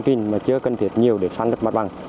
chưa cần thiết nhiều để sàn lấp mặt bằng